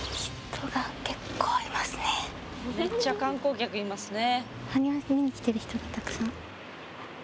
めっちゃ観光客いますね。